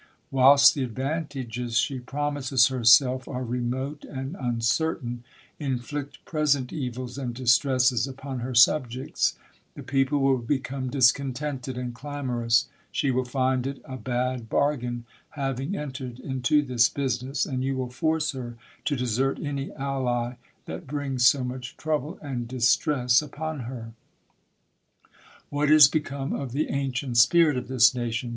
Whilst the advantages she promises herself are remote and uncertain, inflict present evils and distresses upon her subjects : the people will become discontented and clamorous ; she will find it a bad bargain, having entered into this business ; and you will force her to desert any ally that brings so much trouble and distress upon her. What is become of the ancient spirit of this nation?